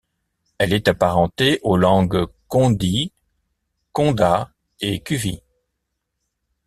Elle est apparentée aux langues gondi, konda et kuvi.